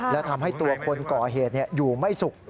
และทำให้ตัวคนก่อเหตุอยู่ไม่สุข